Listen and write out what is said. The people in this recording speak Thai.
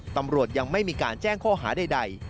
ตำรวจยังไม่มีการแจ้งข้อหาใด